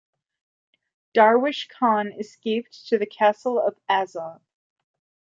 Darwish Khan escaped to the castle of Azov.